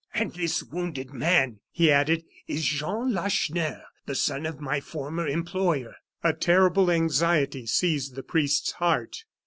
"And this wounded man," he added, "is Jean Lacheneur, the son of my former employer." A terrible anxiety seized the priest's heart.